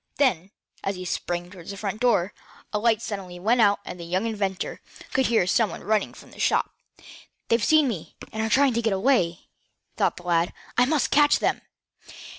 Then, as he sprang toward the front door, the light suddenly went out, and the young inventor could hear some one running from the shop. "They've seen me, and are trying to get away," thought the lad. "I must catch them!"